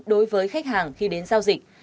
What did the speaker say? đối với khách hàng khi đến giao dịch